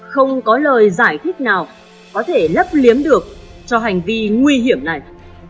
không có lời giải thích nào có thể lấp liếm được cho hành vi nguy hiểm này